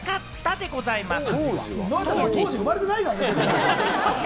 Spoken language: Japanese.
当時、生まれてないからね。